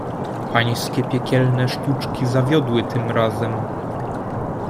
"Pańskie piekielne sztuczki zawiodły tym razem."